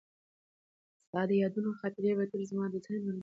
ستا د یادونو خاطرې به تل زما د ذهن ملګرې وي.